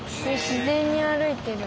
自然に歩いてる。